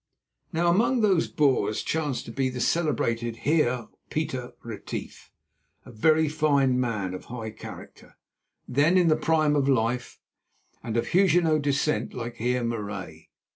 Now among those Boers chanced to be the celebrated Heer Pieter Retief, a very fine man of high character, then in the prime of life, and of Huguenot descent like Heer Marais.